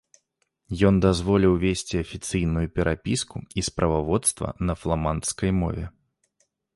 Ён дазволіў весці афіцыйную перапіску і справаводства на фламандскай мове.